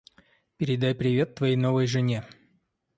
Передай привет твоей новой жене.